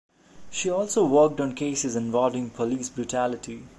She also worked on cases involving police brutality.